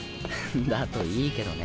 だといいけどね。